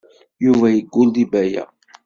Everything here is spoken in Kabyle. Yuba yeggul deg Baya.